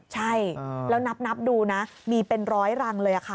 ใช่แล้วนับดูนะมีเป็นร้อยรังเลยค่ะ